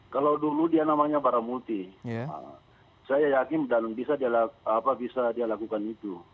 kalau dulu dia namanya para multi saya yakin dan bisa dia lakukan itu